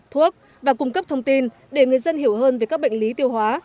thuốc và cung cấp thông tin để người dân hiểu hơn về các bệnh lý tiêu hóa